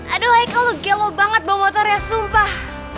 aduh eko lu gelo banget bawa motor ya sumpah